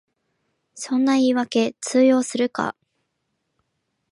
そんな言いわけ通用するか